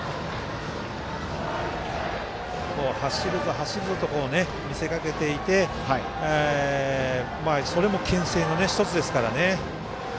走るぞと見せかけていてそれも、けん制の１つですからね。